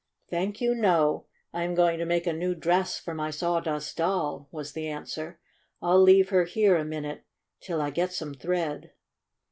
"Thank you, no. I am going to make a new dress for my Sawdust Doll," was the answer. "I'll leave her here a minute till I get some thread."